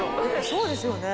そうですよね？